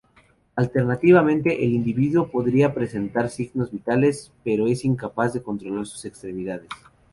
Alternativamente, el individuo podría presentar signos vitales, pero es incapaz de controlar sus extremidades.